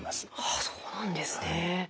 そうなんですね。